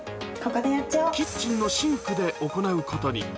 キッチンのシンクで行うことに。